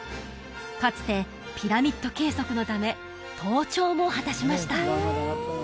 かつてピラミッド計測のため登頂も果たしました